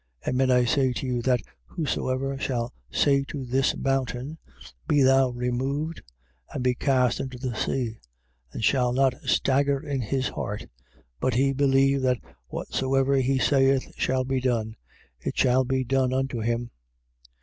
11:23. Amen I say to you that whosoever shall say to this mountain, Be thou removed and be cast into the sea, and shall not stagger in his heart, but be believe that whatsoever he saith shall be done; it shall be done unto him.